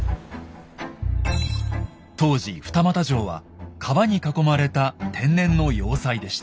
当時二俣城は川に囲まれた天然の要塞でした。